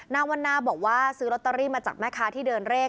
วันนาบอกว่าซื้อลอตเตอรี่มาจากแม่ค้าที่เดินเลข